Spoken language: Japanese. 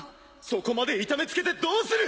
そこまで痛めつけてどうする！